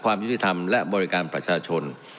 ความยุติธรรมและบริการประชาชน